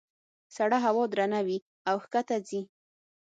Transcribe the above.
سړه هوا درنه وي او ښکته ځي.